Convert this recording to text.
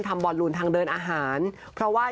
ทำบอนรุนทางเดินอาหารเพราะว่า